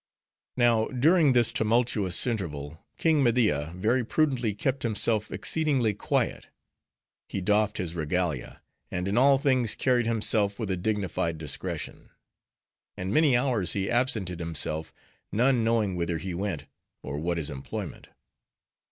Now, during this tumultuous interval, King Media very prudently kept himself exceedingly quiet. He doffed his regalia; and in all things carried himself with a dignified discretion. And many hours he absented himself; none knowing whither he went, or what his employment.